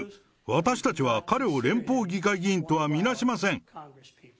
私たちは彼を連邦議会議員とは見なしません。